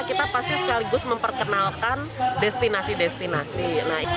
kita pasti sekaligus memperkenalkan destinasi destinasi